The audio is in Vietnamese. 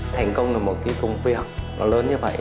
thành công là một công việc lớn như vậy